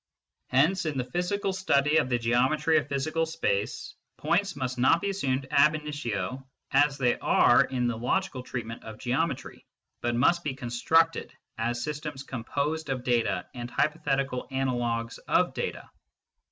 Hence in the physical study of the geometry of physical space, points must not be assumed db initio as they are in the logical treatment of geometry, but must be constructed as systems composed of data and hypo thetical analogues of data.